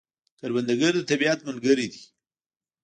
کروندګر د طبیعت ملګری دی